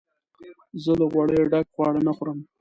زه له غوړیو ډک خواړه نه خورم.